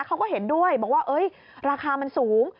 เขาก็เห็นด้วยบอกว่าราคามันสูง